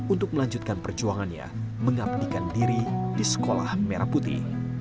untuk melanjutkan perjuangannya mengabdikan diri di sekolah merah putih